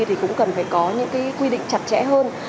thì cũng cần phải có những cái quy định chặt chẽ hơn